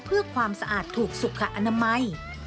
เพื่อความสะอาดถูกสุขอนามัย